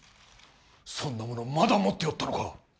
そんなものまだ持っておったのか？